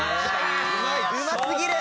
うますぎる！